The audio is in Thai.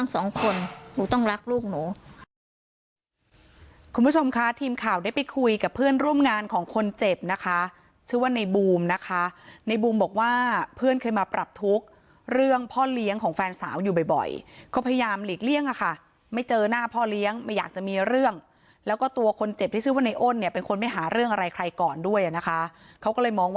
สองคนหนูต้องรักลูกหนูคุณผู้ชมค่ะทีมข่าวได้ไปคุยกับเพื่อนร่วมงานของคนเจ็บนะคะชื่อว่าในบูมนะคะในบูมบอกว่าเพื่อนเคยมาปรับทุกข์เรื่องพ่อเลี้ยงของแฟนสาวอยู่บ่อยก็พยายามหลีกเลี่ยงอะค่ะไม่เจอหน้าพ่อเลี้ยงไม่อยากจะมีเรื่องแล้วก็ตัวคนเจ็บที่ชื่อว่าในอ้นเนี่ยเป็นคนไม่หาเรื่องอะไรใครก่อนด้วยนะคะเขาก็เลยมอง